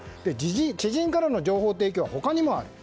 知人からの情報提供は他にもあります。